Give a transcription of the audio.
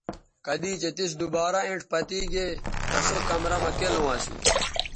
کدی چہء تِس دوبارہ اینڇ پتے گے تہ سو کمرہ مہ کیلوں اسو